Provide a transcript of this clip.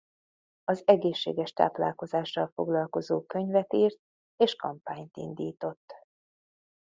Az egészséges táplálkozással foglalkozó könyvet írt és kampányt indított.